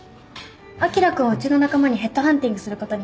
あきら君をうちの仲間にヘッドハンティングすることに決めたの。